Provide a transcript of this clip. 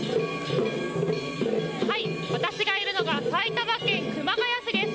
私がいるのは埼玉県熊谷市です。